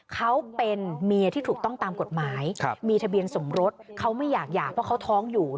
เขาเป็นเมียที่ถูกต้องตามกฎหมายมีทะเบียนสมรสเขาไม่อยากหย่าเพราะเขาท้องอยู่